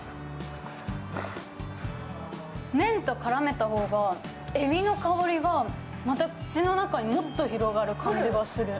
麺と絡めた方が、えびの香りがまた口の中にもっと広がる感じがする。